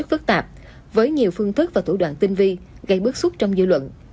rất phức tạp với nhiều phương thức và thủ đoạn tinh vi gây bước xuất trong dự luận